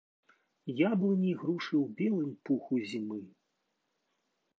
Яблыні і грушы ў белым пуху зімы.